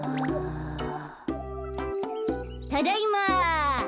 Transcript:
・ただいま。